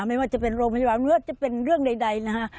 ไม่ว่าจะเป็นโรงพยาบาลหรือว่าจะเป็นเรื่องใดนะฮะ